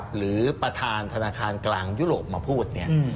หรือประธานธนาคารกลางยุโรปมาพูดเนี่ย